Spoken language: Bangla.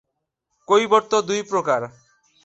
কৈবর্ত দুই প্রকার।